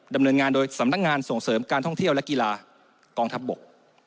ดำเนินงานโดยสำนักงานส่งเสริมการท่องเที่ยวและกีฬากองทัพบก